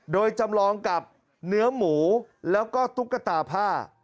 โดยจำลองกับเนื้อหมูแล้วก็ตุ๊กตาผ้า